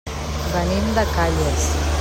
Venim de Calles.